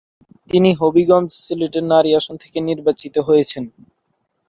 তিনি হবিগঞ্জ-সিলেটের নারী আসন থেকে নির্বাচিত হয়েছেন।